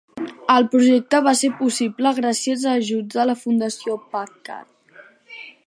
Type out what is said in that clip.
El projecte va ser possible gràcies a ajuts de la Fundació Packard.